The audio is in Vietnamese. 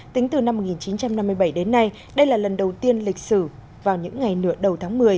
tính từ năm một nghìn chín trăm năm mươi bảy đến nay đây là lần đầu tiên lịch sử vào những ngày nửa đầu tháng một mươi